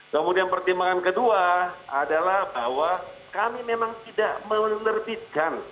kemudian pertimbangan kedua adalah bahwa kami memang tidak menerbitkan